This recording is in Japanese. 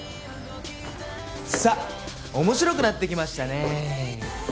さあ面白くなってきましたねえ。